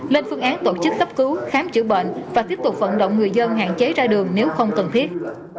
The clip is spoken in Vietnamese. lên phương án tổ chức cấp cứu khám chữa bệnh và tiếp tục vận động người dân hạn chế ra đường nếu không cần thiết